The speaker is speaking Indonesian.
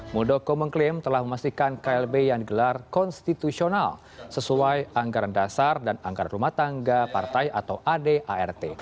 muldoko mengklaim telah memastikan klb yang digelar konstitusional sesuai anggaran dasar dan anggaran rumah tangga partai atau adart